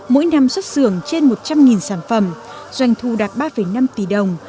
mỗi năm xuất xưởng trên một trăm linh sản phẩm doanh thu đạt ba năm tỷ đồng